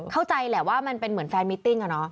เข้าใจแหละว่ามันเป็นเหมือนแฟนมิติ้ง